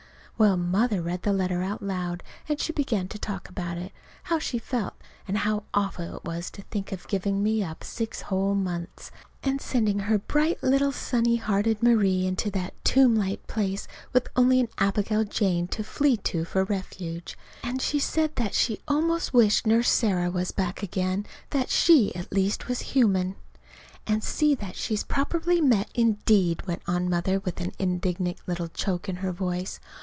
Well, Mother read the letter aloud, then she began to talk about it how she felt, and how awful it was to think of giving me up six whole months, and sending her bright little sunny hearted Marie into that tomb like place with only an Abigail Jane to flee to for refuge. And she said that she almost wished Nurse Sarah was back again that she, at least, was human. "'And see that she's properly met,' indeed!" went on Mother, with an indignant little choke in her voice.